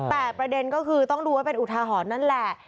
แต่ประเด็นก็คือต้องดูไว้เป็นอุทาหรณ์นั่นแหละ